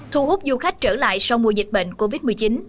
thu hút du khách trở lại sau mùa dịch bệnh covid một mươi chín